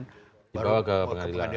dibawa ke pengadilan